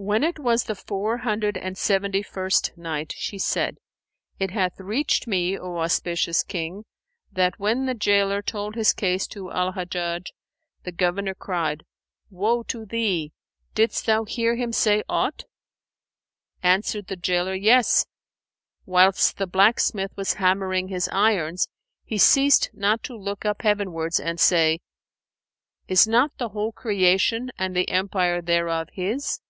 When it was the Four Hundred and Seventy first Night, She said, It hath reached me, O auspicious King, that when the gaoler told his case to Al Hajjaj, the Governor cried, "Woe to thee! Didst thou hear him say aught?" Answered the gaoler, "Yes! whilst the blacksmith was hammering his irons, he ceased not to look up heavenwards and say, 'Is not the whole Creation and the Empire thereof His?'"